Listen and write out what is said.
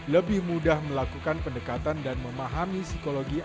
lebih mudah melakukan pendekatan dan memotivasi